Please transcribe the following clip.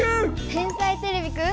「天才てれびくん」